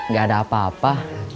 gak ada apa apa